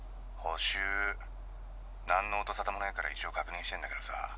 ☎補習☎何の音沙汰もねえから一応確認してんだけどさ